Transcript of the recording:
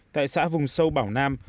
tại xã vùng sâu bảo nam